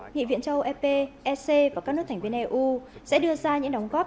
nghị viện châu ec ec và các nước thành viên eu sẽ đưa ra những đóng góp